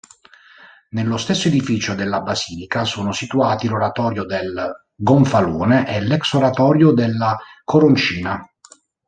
Nello stesso edificio della basilica, sono situati l'oratorio del Gonfalone e l'ex-oratorio della Coroncina.